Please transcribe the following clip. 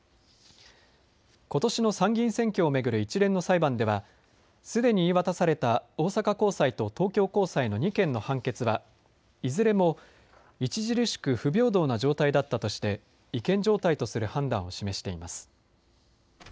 ことしの参議院選挙を巡る一連の裁判ではすでに言い渡された大阪高裁と東京高裁の２件の判決はいずれも著しく不平等な状態だったとして違憲状態とする判断を示しています。